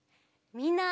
みんな！